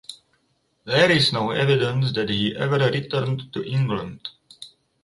There is no evidence that he ever returned to England.